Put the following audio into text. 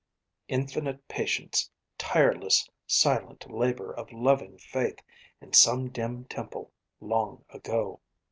Infinite patience, tireless silent labour of loving faith, in some dim temple, long ago.